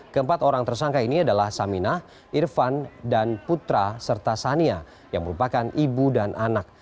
keempat orang tersangka ini adalah saminah irfan dan putra serta sania yang merupakan ibu dan anak